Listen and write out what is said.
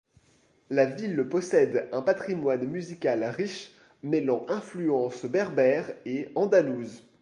La ville possède un patrimoine musical riche, mêlant influences berbères et andalouses.